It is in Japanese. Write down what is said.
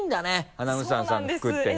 アナウンサーさんの服ってね。